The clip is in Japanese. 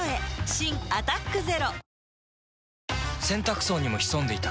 新「アタックＺＥＲＯ」洗濯槽にも潜んでいた。